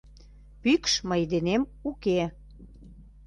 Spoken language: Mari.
Пӱкш мый денем уке.